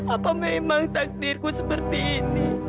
apa memang takdirku seperti ini